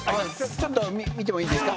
ちょっと見てもいいですか？